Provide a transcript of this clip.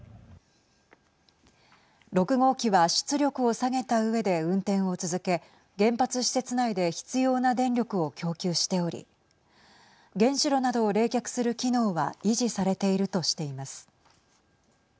６号機は出力を下げたうえで運転を続け原発施設内で必要な電力を供給しており原子炉などを冷却する機能は維持されているとしています。